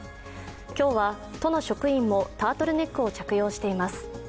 今日は都の職員もタートルネックを着用しています。